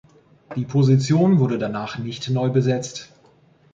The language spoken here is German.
Die Position wurde danach nicht neu besetzt.